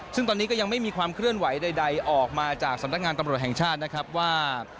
ซึ่งตอนนี้ก็ยังไม่มีความเคลื่อนไหวใดออกมาจากสำนักงานตำรวจแห่งชาตินะครับว่า